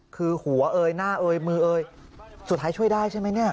คือหัวเอยหน้าเอยมือเอยสุดท้ายช่วยได้ใช่ไหมเนี่ย